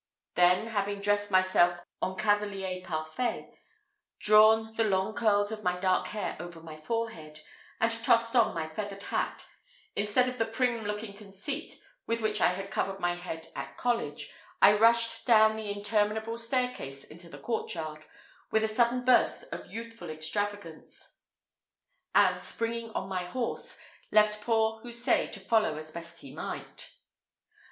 Then, having dressed myself en cavalier parfait, drawn the long curls of my dark hair over my forehead, and tossed on my feathered hat, instead of the prim looking conceit with which I had covered my head at college, I rushed down the interminable staircase into the courtyard, with a sudden burst of youthful extravagance; and, springing on my horse, left poor Houssaye to follow as he best might.